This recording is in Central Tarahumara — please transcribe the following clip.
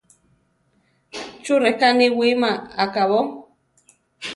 ¿Chú reká niwíma akabó?